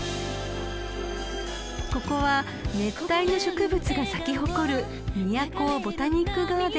［ここは熱帯の植物が咲き誇る］